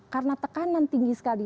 karena tekanan tinggi sekitar